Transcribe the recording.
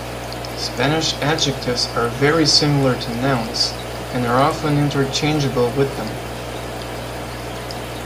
Spanish adjectives are very similar to nouns and are often interchangeable with them.